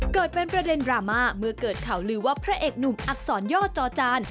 เกิดเป็นประเด็นดราม่าเมื่อเกิดข่าวลือว่าพระเอกหนุ่มอักษรย่อจอจาน